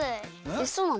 えそうなの？